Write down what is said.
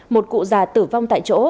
một cụ già tử vong tại chỗ